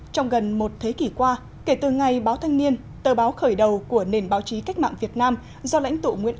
trong gần một thế kỷ qua kể từ ngày báo thanh niên tờ báo khởi đầu của nền báo chí cách mạng việt nam do lãnh tụ nguyễn